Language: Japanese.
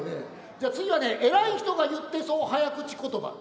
じゃあ次はね偉い人が言ってそう早口言葉。